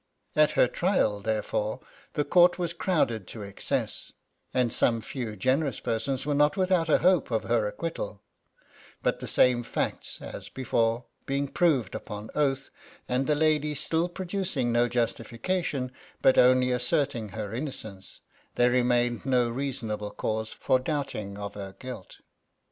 At her trial, therefore, the court was crowded to excess ; and some few generous persons were not without a hope of her acquittal ; but the same facts, as before, being proved upon oath, and the lady still producing no justification, but only asserting her innocence, there remained no reasonable cause for doubting of her guilt.